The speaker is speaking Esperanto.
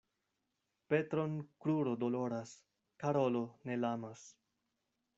Petron kruro doloras, Karolo ne lamas.